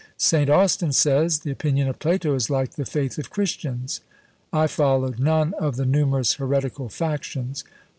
St. Austin says, the opinion of Plato is like the faith of Christians. I followed none of the numerous heretical factions.